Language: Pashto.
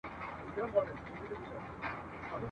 ښيي ..